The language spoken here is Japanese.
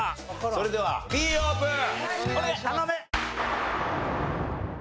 それではＢオープン。